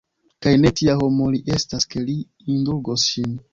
Kaj ne tia homo li estas, ke li indulgos ŝin!